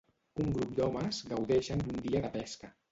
Un grup d'homes gaudeixen d'un dia de pesca.